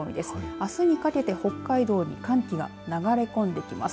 あすにかけて北海道に寒気が流れ込んできます。